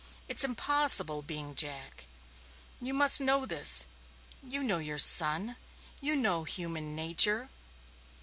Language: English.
It's impossible, being Jack. You must know this you know your son you know human nature."